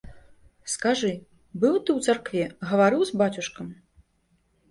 Скажы, быў ты ў царкве, гаварыў з бацюшкам?